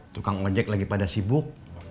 tukang ojek lagi pada sibuk